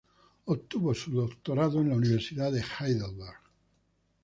Obtuvo su doctorado en la Universidad de Heidelberg.